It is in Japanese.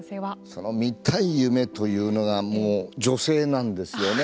その見たい夢というのが女性なんですよね。